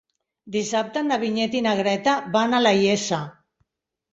Dissabte na Vinyet i na Greta van a la Iessa.